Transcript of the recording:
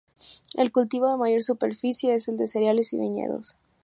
El cultivo de mayor superficie es el de cereales y viñedos.